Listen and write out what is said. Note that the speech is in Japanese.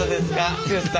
剛さん。